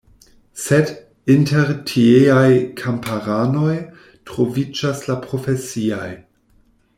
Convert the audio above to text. Sed, inter tieaj kamparanoj troviĝas la profesiaj.